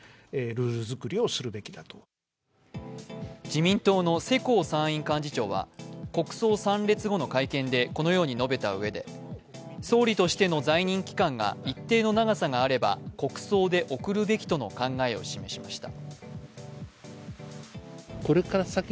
自民党の世耕参院幹事長は、国葬参列後の会見でこのように述べたうえで、総理としての在任期間が一定の長さがあれば国葬で送るべきとの考えを示しました。